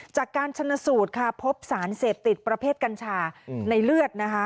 จากการชนสูตรค่ะพบสารเสพติดประเภทกัญชาในเลือดนะคะ